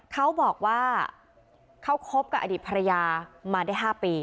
เขาบอกว่าเขาคบกับอดีตภรรยามาได้๕ปี